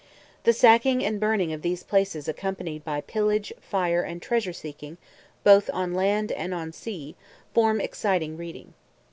The sacking and burning of these places accompanied by pillage, fire, and treasure seeking both on land and on sea form exciting reading.